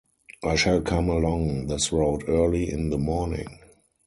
I shall come along this road early in the morning.